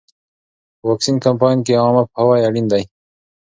په واکسین کمپاین کې عامه پوهاوی اړین دی.